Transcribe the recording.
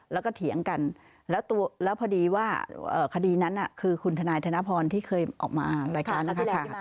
แล้วก็เถียงกันแล้วพอดีว่าคดีนั้นคือคุณทนายธนพรที่เคยออกมารายการนักข่าว